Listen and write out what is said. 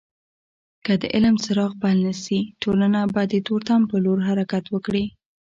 که د علم څراغ بل نسي ټولنه به د تورتم په لور حرکت وکړي.